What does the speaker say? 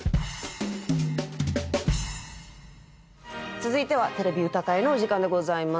続いては「てれび歌会」のお時間でございます。